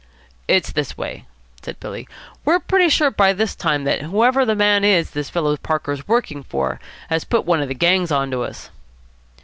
"It's this way," said Billy. "We're pretty sure by this time that whoever the man is this fellow Parker's working for has put one of the gangs on to us."